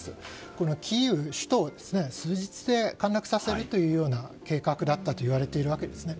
首都キーウを数日で陥落させるような計画だったといわれているんですね。